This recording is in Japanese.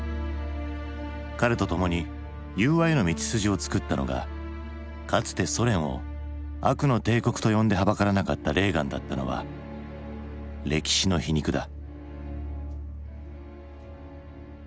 彼とともに融和への道筋を作ったのがかつてソ連を悪の帝国と呼んではばからなかったレーガンだったのは歴史の皮肉だ。